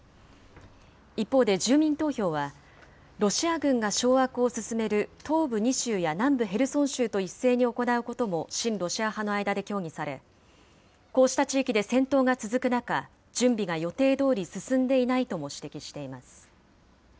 一方で住民投票は、ロシア軍が掌握を進める東部２州や南部ヘルソン州と一斉に行うことも、親ロシア派の間で協議され、こうした地域で戦闘が続く中、準備が予定どおり進んでいないとも指摘しています。